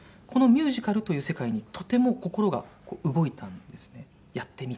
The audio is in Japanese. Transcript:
このミュージカルという世界にとても心が動いたんですね。